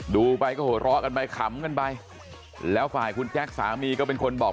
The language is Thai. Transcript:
ดูไปก็หัวเราะกันไปขำกันไปแล้วฝ่ายคุณแจ๊คสามีก็เป็นคนบอก